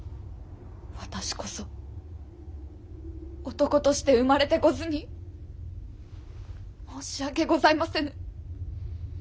私こそ男として生まれてこずに申し訳ございませぬ。